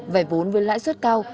vay vốn với lãi suất cao